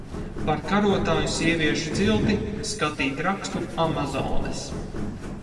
Par karotāju sieviešu cilti skatīt rakstu Amazones.